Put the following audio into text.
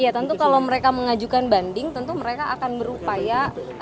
ya tentu kalau mereka mengajukan banding tentu mereka akan berupaya